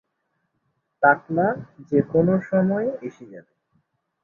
টাকলা যে কোনও সময় এসে যাবে।